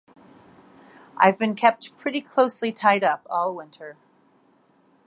I've been kept pretty closely tied up all winter.